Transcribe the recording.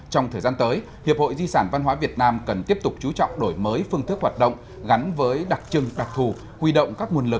trong thời gian tới hiệp hội di sản văn hóa việt nam cần tiếp tục chú trọng đổi mới phương thức hoạt động